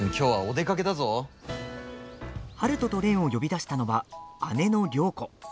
春風と蓮を呼び出したのは姉の涼子。